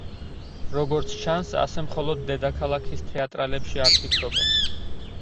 როგორც ჩანს, ასე მხოლოდ დედაქალაქის თეატრალებში არ ფიქრობენ.